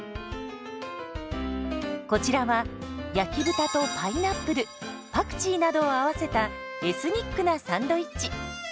こちらは焼き豚とパイナップルパクチーなどを合わせたエスニックなサンドイッチ。